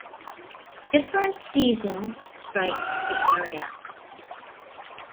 Different seasons strike the area.